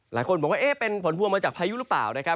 หลายคนบอกว่าเป็นผลพวงมาจากพายุหรือเปล่า